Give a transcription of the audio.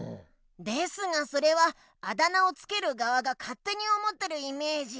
ですがそれはあだ名をつけるがわがかってに思ってるイメージ。